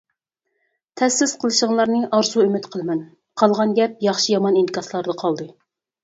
تەسىس قىلىشىڭلارنى ئارزۇ-ئۈمىد قىلىمەن، قالغان گەپ ياخشى-يامان ئىنكاسلاردا قالدى.